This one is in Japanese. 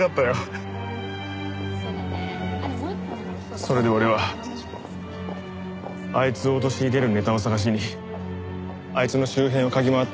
それで俺はあいつを陥れるネタを探しにあいつの周辺を嗅ぎ回った。